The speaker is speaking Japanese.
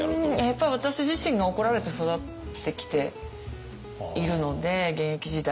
やっぱり私自身が怒られて育ってきているので現役時代